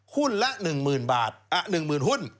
หุ้นละ๑๐๐๐๐บาทอ่ะ๑๐๐๐๐หุ้น